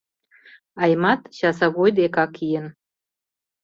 Аймат часовой декак ийын.